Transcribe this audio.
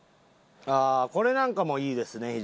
ああこれなんかもいいですね